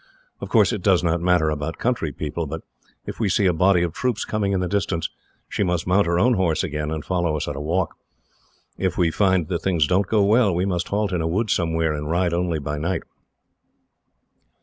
Of course, it does not matter about country people, but if we see a body of troops coming in the distance, she must mount her own horse again, and follow us at a walk. If we find that things don't go well, we must halt in a wood somewhere, and ride only by night."